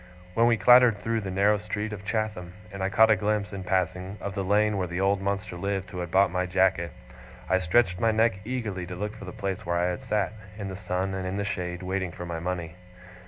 When we clattered through the narrow street of Chatham, and I caught a glimpse, in passing, of the lane where the old monster lived who had bought my jacket, I stretched my neck eagerly to look for the place where I had sat, in the sun and in the shade, waiting for my money.